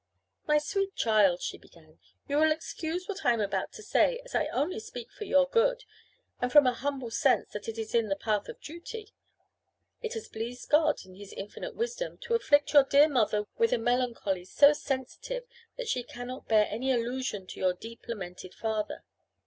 "My sweet child," she began, "you will excuse what I am about to say, as I only speak for your good, and from a humble sense that it is the path of duty. It has pleased God, in His infinite wisdom, to afflict your dear mother with a melancholy so sensitive, that she cannot bear any allusion to your deeply lamented father.